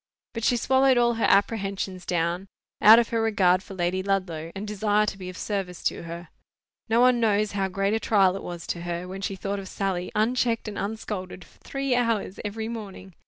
But she swallowed all her apprehensions down, out of her regard for Lady Ludlow, and desire to be of service to her. No one knows how great a trial it was to her when she thought of Sally, unchecked and unscolded for three hours every morning.